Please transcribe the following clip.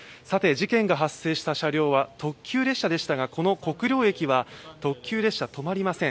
事件が発生した車両は特急列車でしたがこの国領駅は特急列車止まりません。